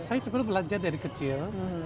saya sebenarnya belajar dari kecil